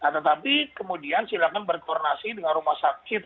tetapi kemudian silakan berkoordinasi dengan rumah sakit